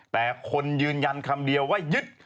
แต่คนยืนยันคำเดียวว่ายึด